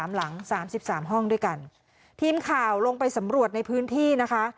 ๓หลัง๓๓ห้องด้วยกันทีมข่าวลงไปสำรวจในพื้นที่นะคะ